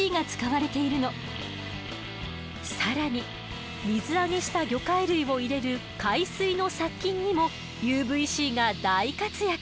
更に水揚げした魚介類を入れる海水の殺菌にもＵＶーＣが大活躍！